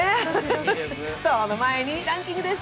その前にランキングです。